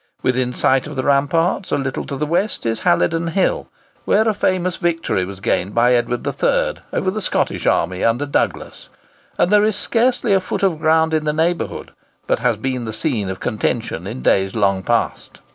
Within sight of the ramparts, a little to the west, is Halidon Hill, where a famous victory was gained by Edward III., over the Scottish army under Douglas; and there is scarcely a foot of ground in the neighbourhood but has been the scene of contention in days long past.